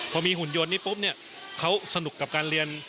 พอมีหุ่นยนต์นี้ปุ๊บเนี่ยเขาสนุกกับการเรียน